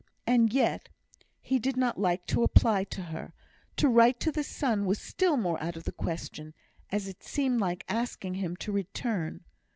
And yet he did not like to apply to her; to write to the son was still more out of the question, as it seemed like asking him to return.